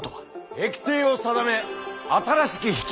駅逓を定め新しき